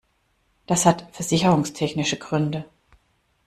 Das hat versicherungstechnische Gründe.